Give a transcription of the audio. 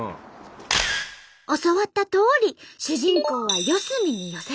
教わったとおり主人公は四隅に寄せた。